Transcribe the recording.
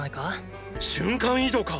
瞬間移動か！！